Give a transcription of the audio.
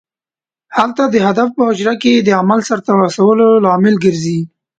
هلته د هدف په حجره کې د عمل سرته رسولو لامل ګرځي.